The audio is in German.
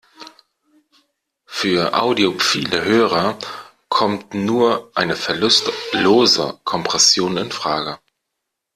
Für audiophile Hörer kommt nur eine verlustlose Kompression infrage.